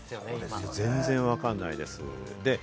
全然わかんないですよ。